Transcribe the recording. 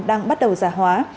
đang bắt đầu giả hóa